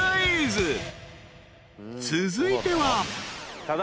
［続いては］